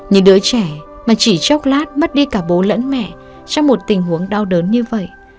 như đứa trẻ mà chỉ chóc lát mất đi cả bố lẫn mẹ trong một tình huống đau đớn như vậy